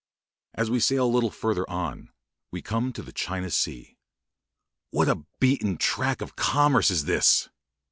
As we sail a little farther on, we come to the China Sea. What a beaten track of commerce is this!